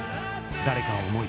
誰かを思い